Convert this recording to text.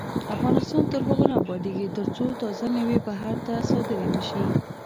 افغانستان تر هغو نه ابادیږي، ترڅو تازه میوې بهر ته صادرې نشي.